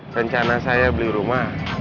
rencana saya beli rumah